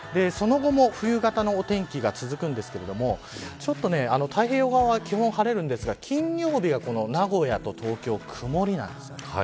その後も冬型のお天気が続くんですが太平洋側は基本、晴れるんですが金曜日は名古屋と東京は曇りなんです。